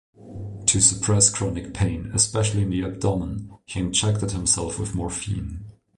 To suppress chronic pain, especially in the abdomen, he injected himself with morphine.